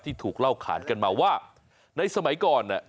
ที่ถูกเล่าขาดกันมาว่าในสมัยก่อนเนี่ย